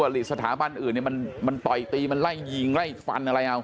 หรือสถาบันอื่นมันต่อยตีมันไล่ยิงไล่ฟันอะไรเอา